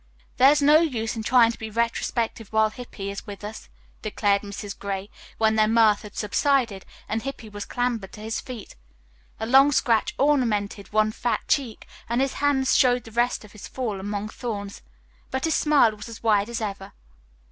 "There is no use in trying to be retrospective while Hippy is with us," declared Mrs. Gray when their mirth had subsided and Hippy had clambered to his feet. A long scratch ornamented one fat cheek and his hands showed the result of his fall among thorns. But his smile was as wide as ever.